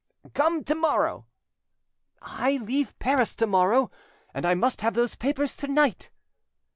"Come to morrow." "I leave Paris to morrow, and I must have those papers to night."